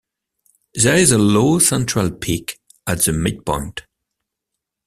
There is a low central peak at the midpoint.